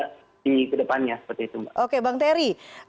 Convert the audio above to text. yang ingin ke depannya seperti itu oke bang terry